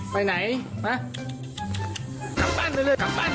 ว่างเหรอ